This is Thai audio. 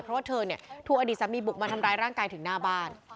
เพราะว่าเธอถูกอดีตสามีบุกมาทำร้ายร่างกายถึงหน้าบ้าน